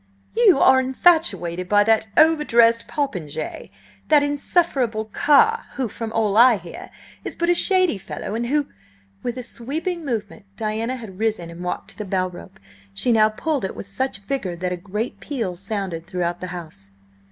"You are infatuated by that over dressed popinjay–that insufferable Carr, who, from all I hear, is but a shady fellow, and who–" With a sweeping movement Diana had risen and walked to the bell rope. She now pulled it with such vigour that a great peal sounded throughout the house.